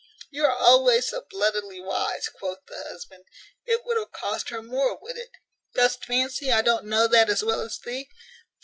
"You are always so bloodily wise," quoth the husband: "it would have cost her more, would it? dost fancy I don't know that as well as thee?